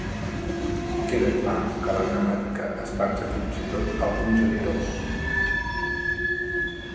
Queda clar que la gramàtica espanta fins i tot alguns editors.